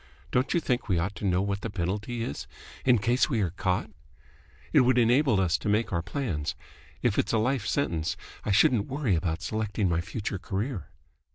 Don't you think we ought to know what the penalty is, in case we are caught?" "It would enable us to make our plans. If it's a life sentence, I shouldn't worry about selecting my future career."